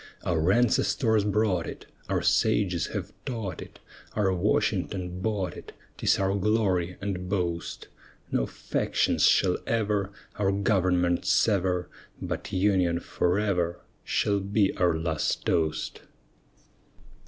Our ancestors brought it, Our sages have taught it, Our Washington bought it, 'Tis our glory and boast! No factions shall ever Our government sever, But "Union forever," Shall be our last toast.